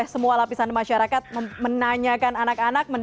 terima kasih banyak